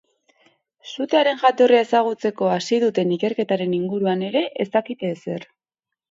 Sutearen jatorria ezagutzeko hasi duten ikerketaren inguruan ere ez dakite ezer ez.